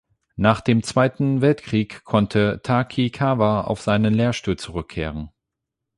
Nach dem Zweiten Weltkrieg konnte Takikawa auf seinen Lehrstuhl zurückkehren.